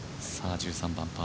１３番パー